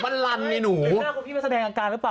อยู่ครั้งนี้ก็พี่ไม่แสดงอาการรึเปล่า